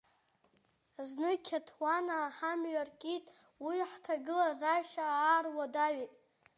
Зны Қьаҭуанаа ҳамҩа ркит, уи ҳҭагылазаашьа аруадаҩит.